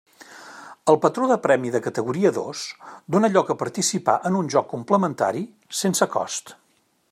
El patró de premi de categoria dos dóna lloc a participar en un joc complementari, sense cost.